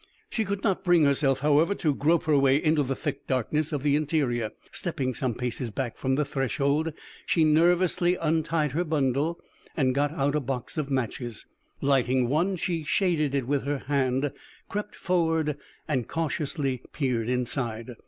She could not bring herself, however, to grope her way into the thick darkness of the interior. Stepping some paces back from the threshold, she nervously untied her bundle and got out a box of matches. Lighting one, she shaded it with her hand, crept forward, and cautiously peered inside.